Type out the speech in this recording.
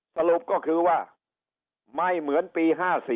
สรุปก็คือว่าไม่เหมือนปี๕๔